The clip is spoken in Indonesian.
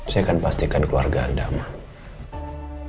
saya akan pastikan keluarga anda aman